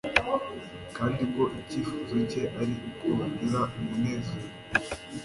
kandi ko icyifuzo cye ari uko bagira umunezero.